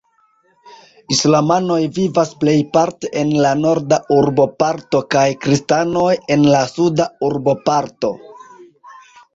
Islamanoj vivas plejparte en la norda urboparto kaj kristanoj en la suda urboparto.